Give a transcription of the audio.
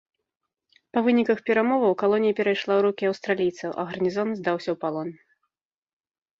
Па выніках перамоваў калонія перайшла ў рукі аўстралійцаў, а гарнізон здаўся ў палон.